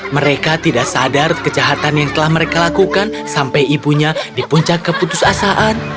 mereka tidak sadar kejahatan yang telah mereka lakukan sampai ibunya di puncak keputusasaan